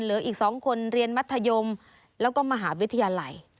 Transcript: เหลืออีก๒คนเรียนมัธยมแล้วก็มหาวิทยาลัย